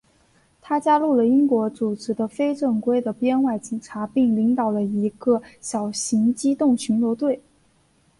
他加入了英国组织的非正规的编外警察并领导了一个小型机动巡逻队。